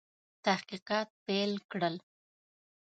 تحقیقات پیل کړل.